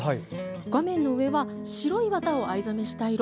画面の上は白い綿を藍染めした色。